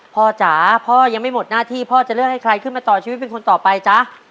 จ๋าพ่อยังไม่หมดหน้าที่พ่อจะเลือกให้ใครขึ้นมาต่อชีวิตเป็นคนต่อไปจ๊ะ